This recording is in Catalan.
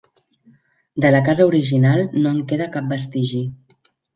De la casa original no en queda cap vestigi.